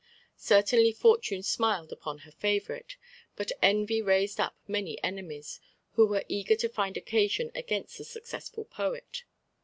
Certainly Fortune smiled upon her favourite, but Envy raised up many enemies, who were eager to find occasion against the successful poet.